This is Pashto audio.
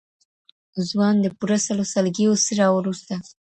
o ځوان د پوره سلو سلگيو څه راوروسته.